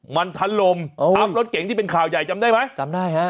มันทันลมทับรถเก๋งที่เป็นข่าวใหญ่จำได้ไหมจำได้ฮะ